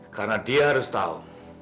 karena dia harus tahu